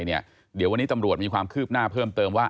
เดี๋ยววันนี้ตำรวจมีความคืบหน้าเพิ่มเติมว่า